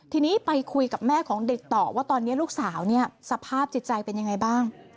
ทีนี้ไปคุยกับแม่ของเด็กต่อว่าตอนนี้ลูกสาวเนี่ยสภาพจิตใจเป็นยังไงบ้าง